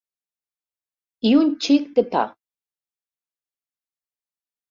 I un xic de pa.